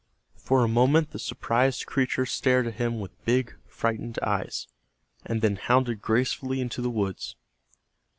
For a moment the surprised creature stared at him with big frightened eyes, and then hounded gracefully into the woods.